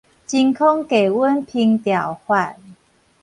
真空低溫烹調法